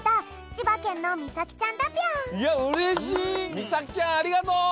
みさきちゃんありがとう！